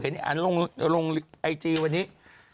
เห็นอันลงไอจีวันนี้